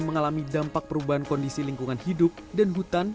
mengalami dampak perubahan kondisi lingkungan hidup dan hutan